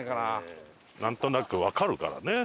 なんとなくわかるからね。